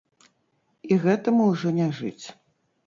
І гэтаму ўжо не жыць.